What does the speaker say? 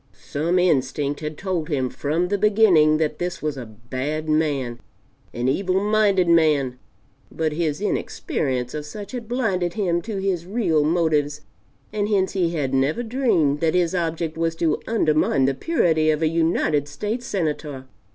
Some instinct had told him from the beginning that this was a bad man, an evil minded man, but his inexperience of such had blinded him to his real motives, and hence he had never dreamed that his object was to undermine the purity of a United States Senator.